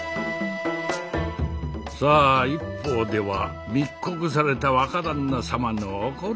さあ一方では密告された若旦那様の怒るまいことか。